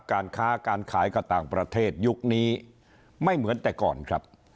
การค้าการขายกับต่างประเทศยุคนี้ไม่เหมือนแต่ก่อนครับ